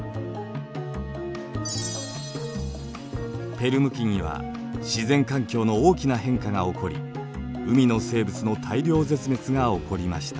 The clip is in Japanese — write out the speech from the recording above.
ペルム紀には自然環境の大きな変化が起こり海の生物の大量絶滅が起こりました。